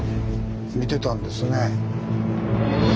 見てたんですね。